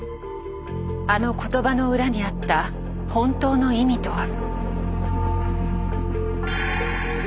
あの言葉の裏にあった本当の意味とは？